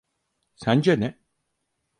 Sence ne?